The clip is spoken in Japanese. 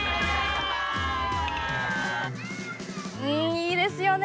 いいですよね！